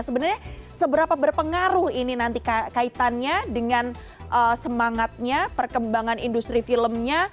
sebenarnya seberapa berpengaruh ini nanti kaitannya dengan semangatnya perkembangan industri filmnya